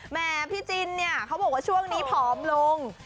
แม่พี่จินเนี่ยเขาบอกว่าช่วงนี้ผอมลง